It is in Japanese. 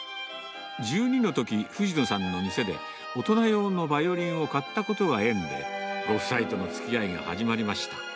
１２のとき、藤野さんの店で、大人用のバイオリンを買ったことが縁で、ご夫妻とのつきあいが始まりました。